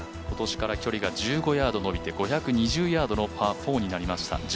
今年から距離が１５ヤードのびて、５２０ヤードになりました